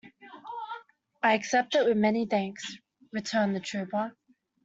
"I accept it with many thanks," returned the trooper.